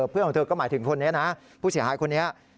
เพื่อนของเธอก็หมายถึงคนนี้นะผู้เสียหายคนนี้